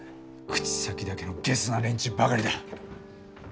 口先だけのゲスな連中ばかりだ。